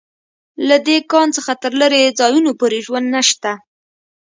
له دې کان څخه تر لېرې ځایونو پورې ژوند نشته